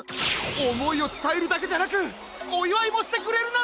おもいをつたえるだけじゃなくおいわいもしてくれるなんて！